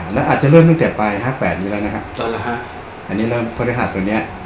แล้วอาจจะเริ่มตั้งแต่ปลายห้าแปดนี้แล้วนะฮะอันนี้เริ่มพฤหัสตัวเนี้ย